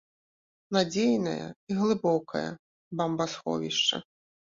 Надзейная і глыбокая бамбасховішча!